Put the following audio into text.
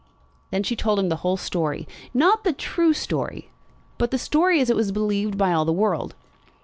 Then she told him the whole story; not the true story, but the story as it was believed by all the world.